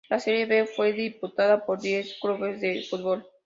La Serie B fue disputada por diez clubes de fútbol.